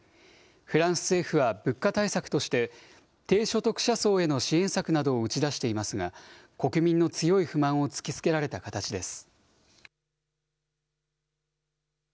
フランス政府は物価対策として、低所得者層への支援策などを打ち出していますが、国民の強い不満を突きつけられた形です。